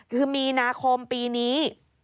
คือมีนาคมปีนี้